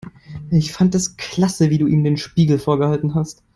Ich fand es klasse, wie du ihm den Spiegel vorgehalten hast.